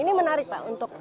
ini menarik pak untuk